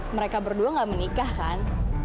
mereka berdua gak menikah kan